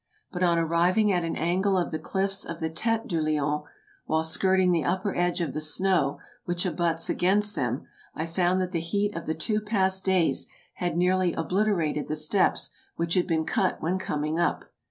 But on arriving at an angle of the cliffs of the Tete du Lion, while skirting the upper edge of the snow which abuts against them, I found that the heat of the two past days had nearly obliterated the steps which had been cut when coming up.